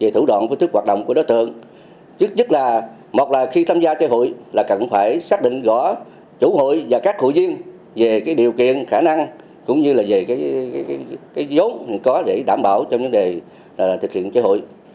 về thủ đoạn quy thức hoạt động của đối tượng trước nhất là một là khi tham gia chơi hụi là cần phải xác định rõ chủ hội và các hội viên về điều kiện khả năng cũng như là về dấu hình có để đảm bảo trong vấn đề thực hiện chơi hụi